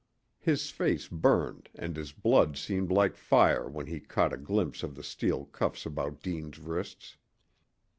His face burned and his blood seemed like fire when he caught a glimpse of the steel cuffs about Deane's wrists.